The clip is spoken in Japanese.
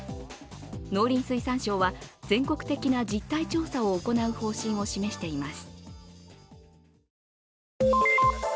農林水産省は全国的な実態調査を行う方針を示しています。